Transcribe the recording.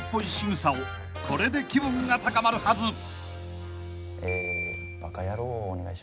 ［これで気分が高まるはず］